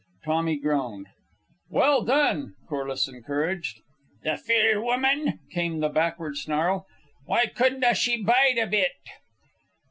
Tommy groaned. "Well done!" Corliss encouraged. "The fule wumman!" came the backward snarl. "Why couldna she bide a bit?"